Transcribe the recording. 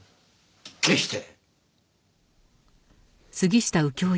決して！